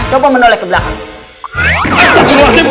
coba menoleh ke belakang